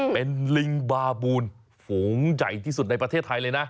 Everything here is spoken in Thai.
เป็นลิงบาบูลฝูงใหญ่ที่สุดในประเทศไทยเลยนะ